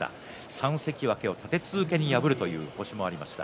３関脇を立て続けに破るという星もありました。